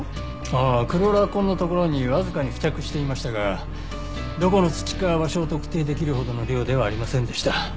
ああクローラー痕の所にわずかに付着していましたがどこの土か場所を特定できるほどの量ではありませんでした。